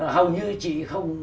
hầu như chị không